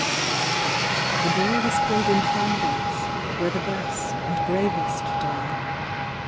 The boy was killed in Flanders, where the best and bravest die.